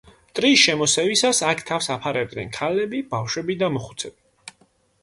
მტრის შემოსევისას აქ თავს აფარებდნენ ქალები, ბავშვები და მოხუცები.